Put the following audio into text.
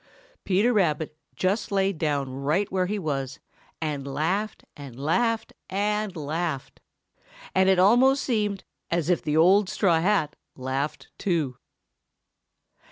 Peter Rabbit just lay down right where he was and laughed and laughed and laughed. And it almost seemed as if the old straw hat laughed too.